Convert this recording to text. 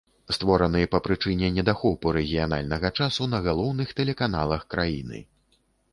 Створаны па прычыне недахопу рэгіянальнага часу на галоўных тэлеканалах краіны.